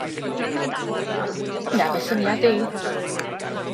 Dyna fy syniad i.